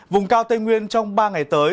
vùng cao tây nguyên trong ba ngày tới